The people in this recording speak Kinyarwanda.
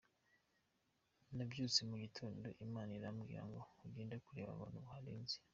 Nabyutse mu gitondo Imana irambwira ngo ugende kureba abantu baharinze.